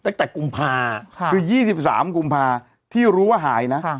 ตั้งแต่กุมภาพคือ๒๓กุมภาพที่รู้ว่าหายนะ